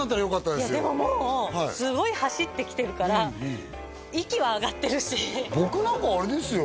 いやでももうすごい走ってきてるから息は上がってるし僕なんかあれですよ